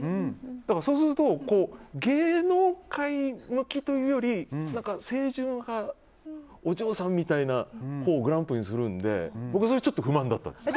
そうすると芸能界向きというより清純派お嬢さんみたいな子をグランプリにするので僕、それちょっと不満だったんです。